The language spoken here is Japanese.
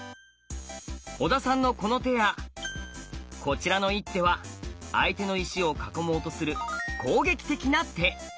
小田さんのこの手やこちらの一手は相手の石を囲もうとする攻撃的な手。